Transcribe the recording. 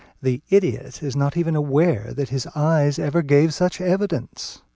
the idiot is not aware that his eyes ever gave such evidence.